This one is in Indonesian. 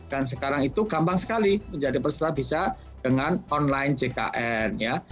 dan sekarang itu gampang sekali menjadi peserta bisa dengan online ckn ya